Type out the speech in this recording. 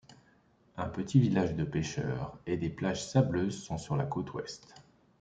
Un petit village de pêcheurs et des plages sableuses sont sur la côte Ouest.